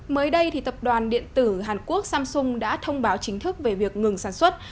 mới đây tập đoàn điện tử hàn quốc samsung đã thông báo chính thức về việc ngừng sản xuất